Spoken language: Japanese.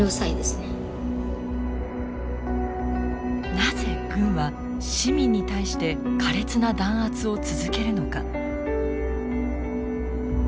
なぜ軍は市民に対して苛烈な弾圧を続けるのか？